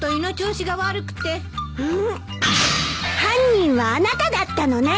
犯人はあなただったのね！